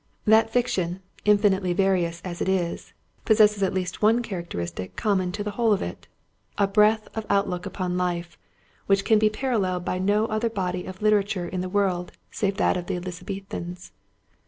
That fiction, infinitely various as it is, possesses at least one characteristic common to the whole of it—a breadth of outlook upon life, which can be paralleled by no other body of literature in the world save that of the Elizabethans.